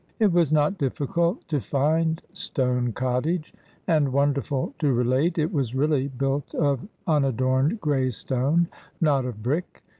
It was not difficult to find Stone Cottage, and, wonderful to relate, it was really built of unadorned grey stone, not of brick.